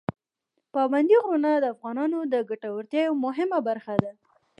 پابندي غرونه د افغانانو د ګټورتیا یوه مهمه برخه ده.